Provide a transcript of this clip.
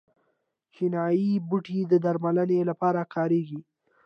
چینايي بوټي د درملنې لپاره کاریږي.